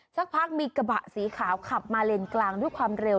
สักพักมีกระบะสีขาวขับมาเลนกลางด้วยความเร็ว